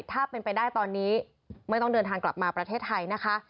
ถ้าเป็นไปได้ตอนนี้ไม่ต้องเดินทางกลับมาประเทศไทยนะคะ